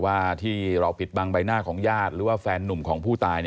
ว่าที่เราปิดบังใบหน้าของญาติหรือว่าแฟนนุ่มของผู้ตาย